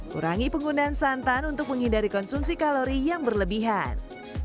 kurangi penggunaan santan untuk menghindari konsumsi kalori yang berlebihan